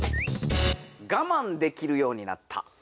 「我慢できるようになった」。